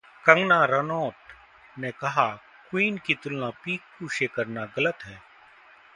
कंगना रनोट ने कहा क्वीन की तुलना पीकू से करना गलत है